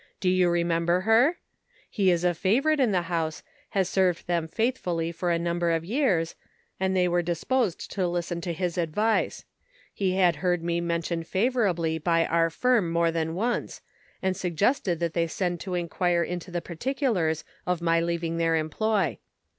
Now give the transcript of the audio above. Do you remember her ? He is a favorite in the house, has served them faithfully for a number of years, and they were disposed to listen to his advice. He had heard me mentioned favorably by our firm more than once, and suggested that they send to inquire into the particulars of my leaving their employ.